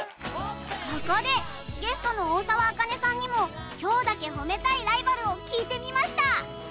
ここでゲストの大沢あかねさんにも今日だけ褒めたいライバルを聞いてみました